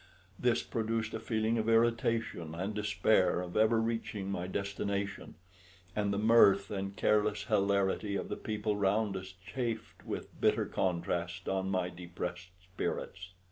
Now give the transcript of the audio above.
This produced a feeling of irritation, and despair of ever reaching my destination; and the mirth and careless hilarity of the people round us chafed with bitter contrast on my depressed spirits.